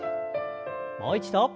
もう一度。